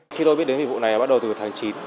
khi tôi biết đến dịch vụ này bắt đầu từ tháng chín